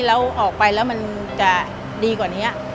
แล้วออกไปแล้วมันจะดีกว่านี้